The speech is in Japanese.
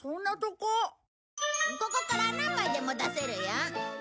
ここから何枚でも出せるよ。